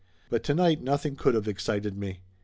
But to night nothing could of excited me.